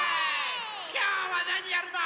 きょうはなにやるの？